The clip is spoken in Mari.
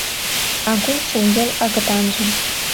Агун шеҥгел агытанжым